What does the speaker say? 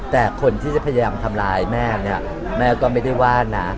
แต่คนที่จะพยายามทำร้ายแม่เนี่ยแม่ก็ไม่ได้ว่านะ